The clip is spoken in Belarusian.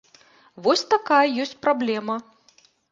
Вось такая ёсць праблема.